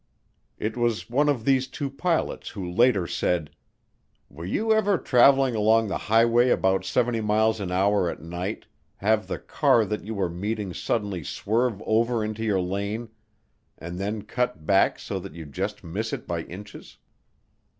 It was one of these two pilots who later said, "Were you ever traveling along the highway about 70 miles an hour at night, have the car that you were meeting suddenly swerve over into your lane and then cut back so that you just miss it by inches?